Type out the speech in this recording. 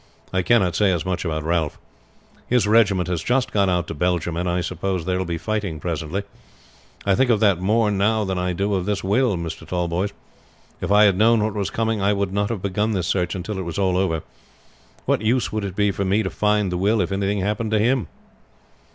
I cannot say as much about Ralph. His regiment has just gone out to Belgium, and I suppose there will be fighting presently. I think of that more now than I do of this will, Mr. Tallboys. If I had known what was coming, I would not have begun this search until it was all over. What use would it be for me to find the will if anything happened to him."